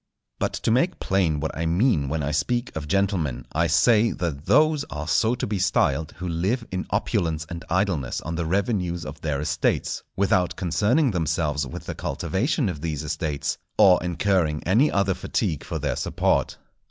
But to make plain what I mean when I speak of gentlemen, I say that those are so to be styled who live in opulence and idleness on the revenues of their estates, without concerning themselves with the cultivation of these estates, or incurring any other fatigue for their support.